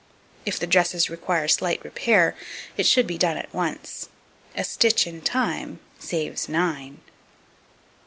If the dresses require slight repair, it should be done at once: "a stitch in time saves nine."